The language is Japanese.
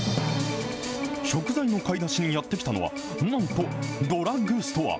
食材の買い出しにやって来たのは、なんと、ドラッグストア。